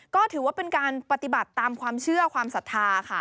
ก็ถือว่าเป็นการปฏิบัติตามความเชื่อความศรัทธาค่ะ